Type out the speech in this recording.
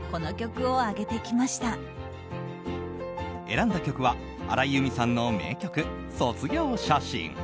選んだ曲は荒井由実さんの名曲「卒業写真」。